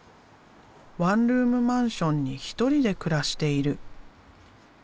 ワンルームマンションに１人で暮らしている。